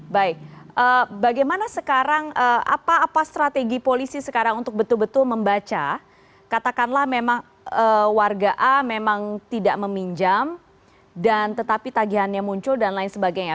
baik bagaimana sekarang apa strategi polisi sekarang untuk betul betul membaca katakanlah memang warga a memang tidak meminjam dan tetapi tagihannya muncul dan lain sebagainya